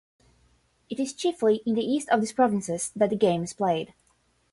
It is chiefly in the east of these provinces that the game is played.